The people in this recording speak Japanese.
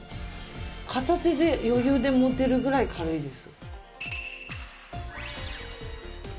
片手で余裕で持てるくらい軽いです。